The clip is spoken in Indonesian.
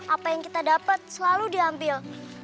apa yang kita dapat selalu diambil